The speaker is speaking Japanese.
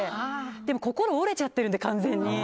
でも、心が折れちゃってるので完全に。